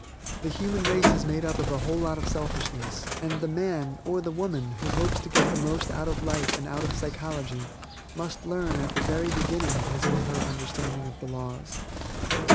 The human race is made up of a whole lot of selfishness, and the man, or the woman, who hopes to get the most out of life and out of psychology, must learn at the very beginning of his or her understanding of the laws.